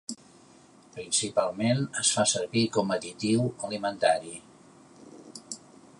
Principalment es fa servir com additiu alimentari.